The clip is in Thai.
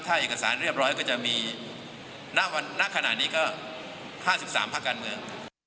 ถ้าเอกสารเรียบร้อยก็จะมีณขณะนี้ก็๕๓ภาคการเมือง